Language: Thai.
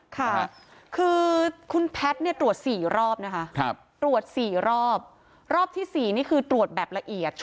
ค่ะคือคุณแพทย์เนี่ยตรวจ๔รอบนะคะตรวจ๔รอบรอบที่๔นี่คือตรวจแบบละเอียด